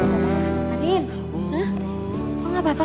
eh kamu gak apa apa